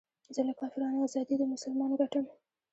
زه له کافرانو ازادي د مسلمان ګټم